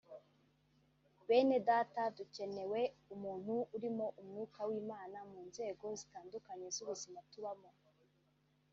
Benedata ducyenewe umuntu urimo umwuka w’Imana mu nzego zitandukanye z’ubuzima tubamo